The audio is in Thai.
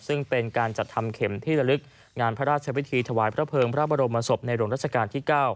ซึ่งเป็นการจัดทำเข็มที่ละลึกงานพระราชวิธีถวายพระเภิงพระบรมศพในหลวงรัชกาลที่๙